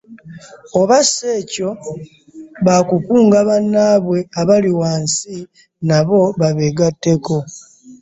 Oba si ekyo, ba kukunga bannaabwe abali wansi nabo babeegatteko.